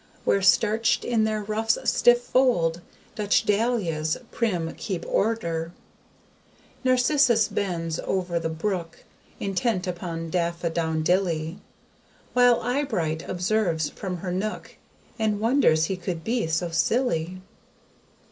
Where, starched in their ruff's stiff fold, DUTCH DAHLIAS prim, keep order. NARCISSUS bends over the brook, Intent upon DAFFA DOWN DILLY: While EYEBRIGHT observes from her nook, And wonders he could be so silly.